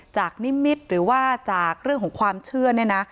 จากนิมิตรหรือว่าจากเรื่องของความเชิญ